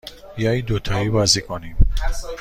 بیایید دوتایی بازی کنیم.